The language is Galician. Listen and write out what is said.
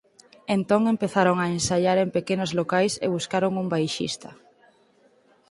Entón empezaron a ensaiar en pequenos locais e buscaron un baixista.